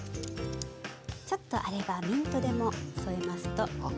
ちょっとあればミントでも添えますとすてきですね。